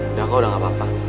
udah kok udah gak apa apa